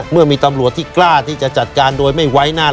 เมื่อมีตำรวจที่กล้าที่จะจัดการโดยไม่ไว้หน้า